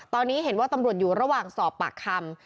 ตอนนี้เห็นว่าตำรวจอยู่ระหว่างสอบปากคำ